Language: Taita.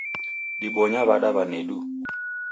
Dibonya w'ada w'anedu?